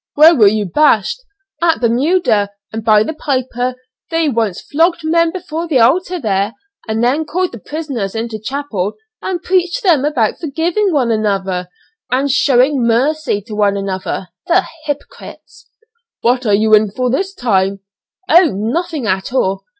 "Where were you bashed?" "At Bermuda; and by the piper, they once flogged men before the altar there, and then called the prisoners into chapel and preached to them about forgiving one another, and showing mercy to one another, the hypocrites." "What are you here for this time?" "Oh, nothing at all.